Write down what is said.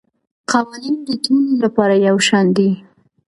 قوانین د ټولو لپاره یو شان دي.